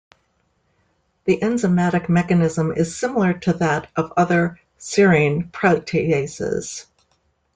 The enzymatic mechanism is similar to that of other serine proteases.